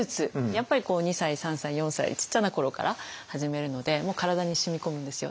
やっぱり２歳３歳４歳ちっちゃな頃から始めるのでもう体にしみこむんですよ。